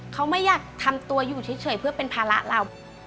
เขาไม่อยากทำตัวอยู่เฉยเพื่อเป็นภาระเรา